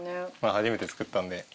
初めて作ったんで。